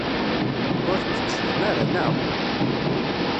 Ur t-tettgem ara, naɣ?